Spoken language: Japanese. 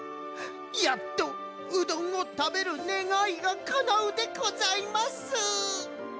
やっとうどんをたべるねがいがかなうでございます！